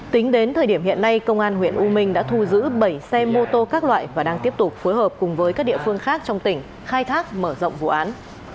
tính đến thời điểm hiện nay công an huyện u minh đã thu giữ bảy xe mô tô các loại và đang tiếp tục phối hợp cùng với các địa phương khác trong tỉnh khai thác mở rộng vụ án